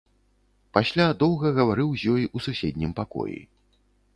Пасля доўга гаварыў з ёй у суседнім пакоі.